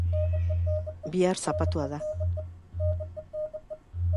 Bihar zapatua da.